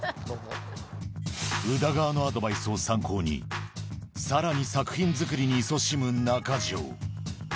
宇田川のアドバイスを参考に、さらに作品作りにいそしむ中城。